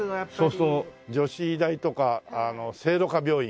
そうすると女子医大とか聖路加病院。